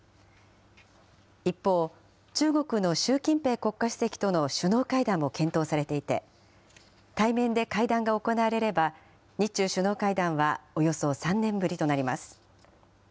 一方、中国の習近平国家主席との首脳会談も検討されていて、対面で会談が行われれば、日中首脳会談はおよそ３年ぶりとなります。